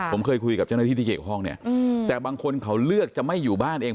ผมเคยคุยกับเจ้าหน้าที่ที่เกี่ยวข้องเนี่ยแต่บางคนเขาเลือกจะไม่อยู่บ้านเอง